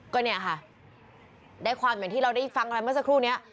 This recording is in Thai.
ก็เนี่ยค่ะได้ความอย่างที่เราได้ฟังอะไรเมื่อสักครู่นี้